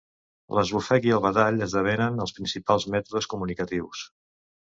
L'esbufec i el badall esdevenen els principals mètodes comunicatius.